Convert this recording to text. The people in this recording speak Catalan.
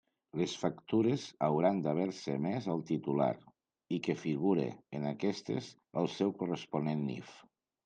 Les factures hauran d'haver-se emés al titular, i que figure en aquestes el seu corresponent NIF.